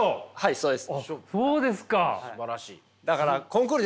そうです。